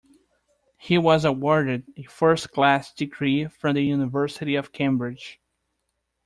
He was awarded a first-class degree from the University of Cambridge